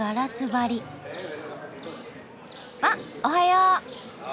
おはよう。